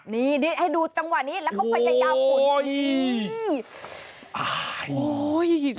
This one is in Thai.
นี่นี่ให้ดูจังหวะนี้แล้วเข้าไปใจเยาว์คุณนี่